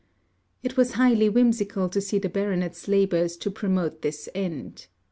It was highly whimsical to see the Baronet's labours to promote this end.